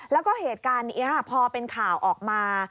แล้วก็เหตุการณ์นี้พอเป็นข่าวออกมา